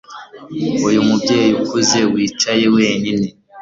uyu mubyeyi ukuze wicaye wenyine